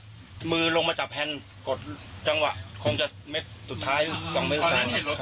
ผมไม่อยากให้เกิดเหตุการณ์นี้ครับ